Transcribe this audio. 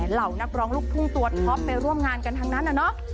เหล่านักร้องลูกทุ่งตัวท็อปไปร่วมงานกันทั้งนั้นน่ะเนอะ